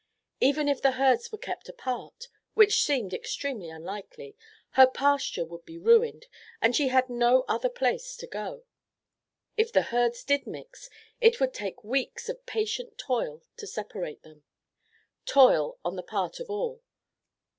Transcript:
Even if the herds were kept apart—which seemed extremely unlikely—her pasture would be ruined, and she had no other place to go. If the herds did mix, it would take weeks of patient toil to separate them—toil on the part of all.